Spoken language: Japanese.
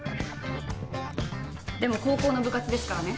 でも高校の部活ですからね。